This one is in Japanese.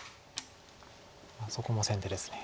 そこも先手です。